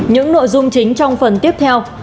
những nội dung chính trong phần tiếp theo